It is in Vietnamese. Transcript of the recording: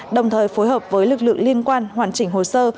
đồng thời phối hợp với lực lượng liên quan hoàn chỉnh hồ sơ